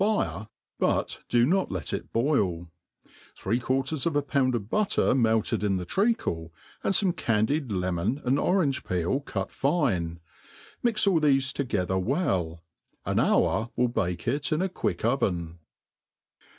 fire, but do not let it boil ; three quarters of a pound of butter melted in the treacle, and fome candied lemon and orange peel cut fine s mix all thefe together well. An hour will b^e it in a quick oven.